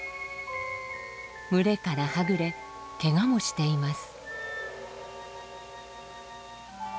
群れからはぐれけがもしています。